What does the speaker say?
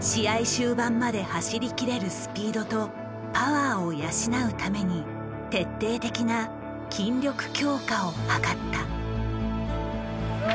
試合終盤まで走りきれるスピードとパワーを養うために徹底的な筋力強化をはかった。